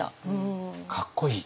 かっこいい。